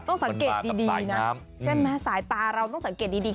ต้องสังเกตดีนะใช่ไหมสายตาเราต้องสังเกตดี